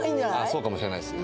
そうかもしれないです